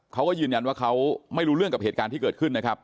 เขาก็ยืนยันว่าเขาไม่รู้เรื่องกับเหตุการณ์ที่เกิดขึ้นนะครับ